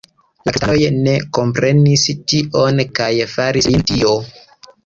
La kristanoj ne komprenis tion kaj faris lin dio.